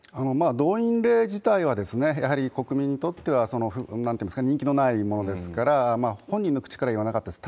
動員令自体は、やはり国民にとってはなんていいますか、人気のないものですから、本人の口から言わなかったです。